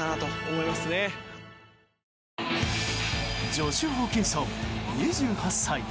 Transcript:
ジョシュ・ホーキンソン２８歳。